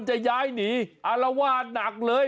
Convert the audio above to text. จะย้ายหนีอารวาสหนักเลย